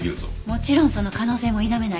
もちろんその可能性も否めない。